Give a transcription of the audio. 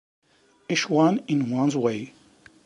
Each one in one's way.